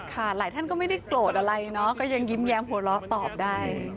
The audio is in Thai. ค่ะหลายท่านก็ไม่ได้โกรธอะไรเนาะก็ยังยิ้มแย้มหัวเราะตอบได้